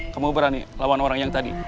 kamu berani lawan orang yang tadi